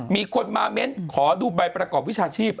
มีคนมาเม้นขอดูใบประกอบวิชาชีพ